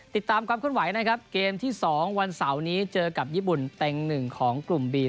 ติดตามความขึ้นไหวนะครับเกมที่๒วันเสาร์นี้เจอกับญี่ปุ่นเต็งหนึ่งของกลุ่มบี